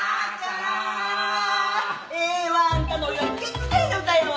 ええわ。あんたのお祝いにぴったりの歌やわ。